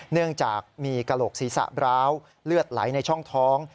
เนื่องจากมีกระโหลกศีรษะบร้าวเลือดไหลในช่องท้อง